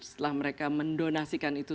setelah mereka mendonasikan itu